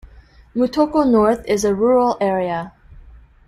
Mutoko North is a rural area.